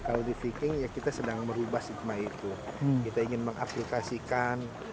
kalau di viking ya kita sedang merubah stigma itu kita ingin mengaplikasikan